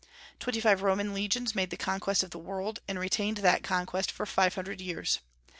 Twenty five Roman legions made the conquest of the world, and retained that conquest for five hundred years.